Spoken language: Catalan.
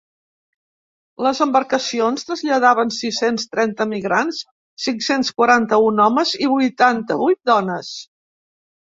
Les embarcacions traslladaven sis-cents trenta migrants, cinc-cents quaranta-un homes i vuitanta-vuit dones.